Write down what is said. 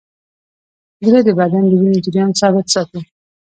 زړه د بدن د وینې جریان ثابت ساتي.